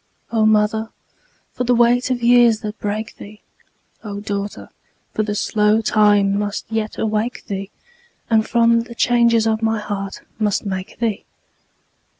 O mother, for the weight of years that break thee! O daughter, for slow time must yet awake thee, And from the changes of my heart must make thee!